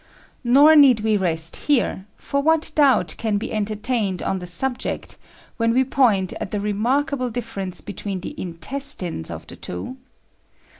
Nor need we rest here, for what doubt can be entertained on the subject when we point at the remarkable difference between the intestines of the two?